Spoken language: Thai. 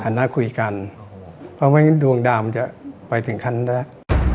ผ่านหน้าคุยกันเพราะว่าดวงดาวมันจะไปถึงขั้นแรก